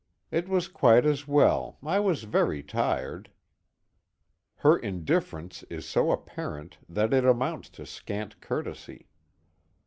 It was quite as well, I was very tired." Her indifference is so apparent that it amounts to scant courtesy.